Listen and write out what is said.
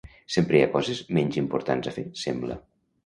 Sempre hi ha coses menys importants a fer, sembla.